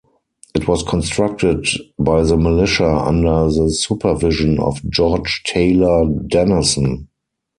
It was constructed by the militia under the supervision of George Taylor Denison.